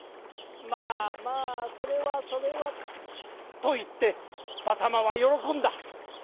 「まあまあそれはそれは」といってばさまはよろこんだ。